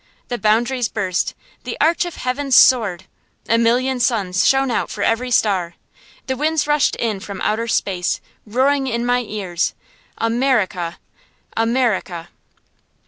The boundaries burst. The arch of heaven soared. A million suns shone out for every star. The winds rushed in from outer space, roaring in my ears, "America! America!"